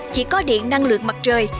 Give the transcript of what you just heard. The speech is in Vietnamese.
chỉ có điện năng lượng mặt trời